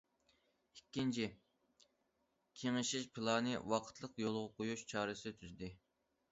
ئىككىنچى، كېڭىشىش پىلانىنى ۋاقىتلىق يولغا قويۇش چارىسى تۈزدى.